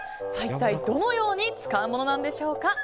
一体どのように使うものでしょうか。